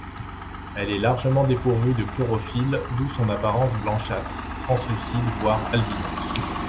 Elle est largement dépourvue de chlorophylle, d'où son apparence blanchâtre, translucide voire albinos.